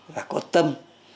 và có tâm